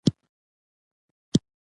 وزې د سبزیو بوټي ژر پېژني